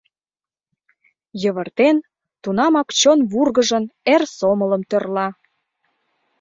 Йывыртен, тунамак чон вургыжын, эр сомылым тӧрла.